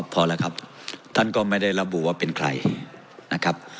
พอแล้วครับท่านก็ไม่ได้ระบุว่าเป็นใครนะครับ